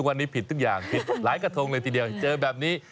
วันนี้ผิดทุกอย่างผิดหลายกระทงเลยทีเดียวเจอแบบนี้